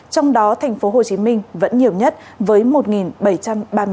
trong đó thành phố hồ chí minh vẫn nhiều nhất với một bảy trăm ba mươi chín ca